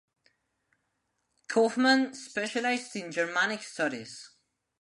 Kauffmann specialized in Germanic studies.